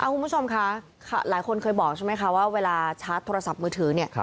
คุณผู้ชมคะหลายคนเคยบอกใช่ไหมคะว่าเวลาชาร์จโทรศัพท์มือถือเนี่ย